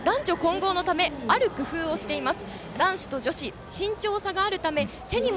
男女混合のためある工夫をしています。